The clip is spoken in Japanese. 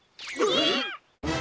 えっ！？